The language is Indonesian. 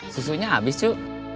susunya abis cu